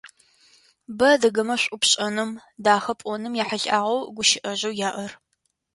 Бэ адыгэмэ шӏу пшӏэным, дахэ пӏоным ехьылӏагъэу гущыӏэжъэу яӏэр.